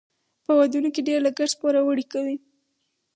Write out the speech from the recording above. په ودونو کې ډیر لګښت پوروړي کوي.